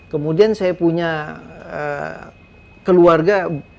kemudian saya punya keluarga